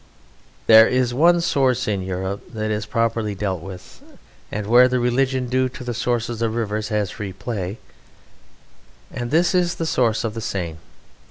There is one source in Europe that is properly dealt with, and where the religion due to the sources of rivers has free play, and this is the source of the Seine.